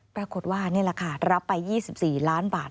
ปรากฏว่านี่แหละค่ะรับไป๒๔ล้านบาท